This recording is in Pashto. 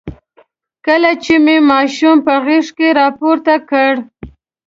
کله چې مې ماشوم په غېږ کې راپورته کړ.